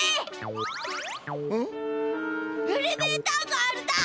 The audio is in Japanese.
エレベーターがあるだ！